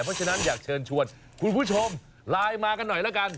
เพราะฉะนั้นอยากเชิญชวนคุณผู้ชมไลน์มากันหน่อยแล้วกัน